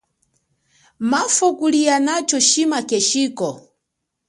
Mafo akulia nacho shima keshiko.